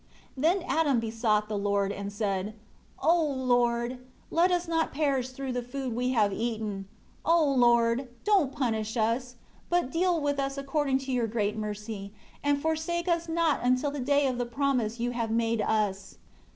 5 Then Adam besought the Lord and said, "O Lord, let us not perish through the food we have eaten. O Lord, don't punish us; but deal with us according to Your great mercy, and forsake us not until the day of the promise You have made us."